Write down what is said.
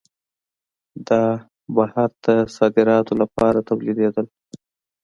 دا د بهر ته صادراتو لپاره تولیدېدل.